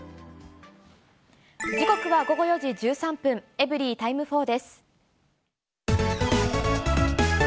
時刻は午後４時１３分、エブリィタイム４です。